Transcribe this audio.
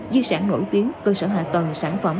di sản nổi tiếng cơ sở hạ tầng sản phẩm